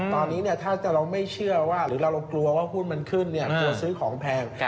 ตอนนี้เนี่ยถ้าเราไม่เชื่อแบบว่าหุ้นขึ้นตัวซื้อของแพง